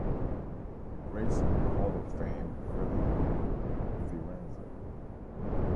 Racing Hall of Fame filly, Firenze.